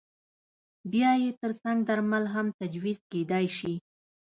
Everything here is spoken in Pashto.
بیا یې ترڅنګ درمل هم تجویز کېدای شي.